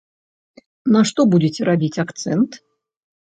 На што будзеце рабіць акцэнт?